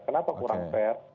kenapa kurang fair